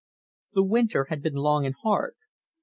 The winter had been long and hard.